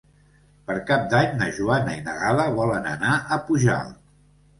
Per Cap d'Any na Joana i na Gal·la volen anar a Pujalt.